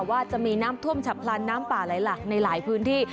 ว่าจะมีน้ำท่วมฉับพลันน้ำป่าไหลหลักในหลายพื้นที่